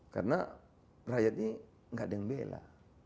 karena rakyat ini enggak ada yang bela